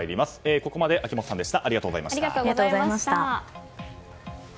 ここまで秋元さんでした。